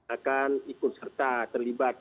akan ikut serta terlibat